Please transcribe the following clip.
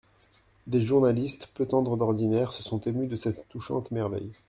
Des journalistes, peu tendres d'ordinaire, se sont émus de cette touchante merveille.